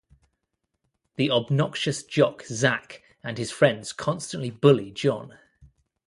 The obnoxious jock Zack and his friends constantly bully John.